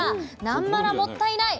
「なんまらもったいない！